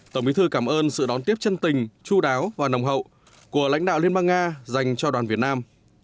tổng bí thư cảm ơn sự đón tiếp chân tình chú đáo và nồng hậu của lãnh đạo liên bang nga dành cho đoàn việt nam